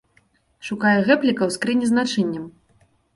Шукае гэбліка ў скрыні з начыннем.